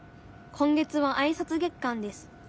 今月はあいさつ月間です。